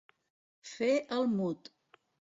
Fer el mut.